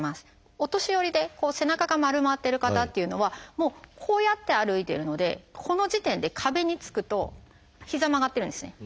お年寄りで背中が丸まってる方っていうのはこうやって歩いてるのでこの時点で壁につくと膝曲がってるんですね。